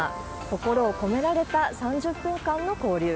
心を込められた３０分間の交流。